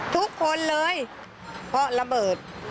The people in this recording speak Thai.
ทุกคนเลยเพราะระเบิด